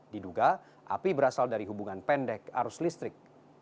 diduga api berasal dari hubungan pendek arus listrik